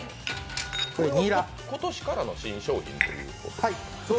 今年からの新商品ということですか。